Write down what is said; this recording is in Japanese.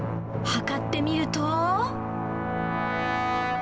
測ってみると。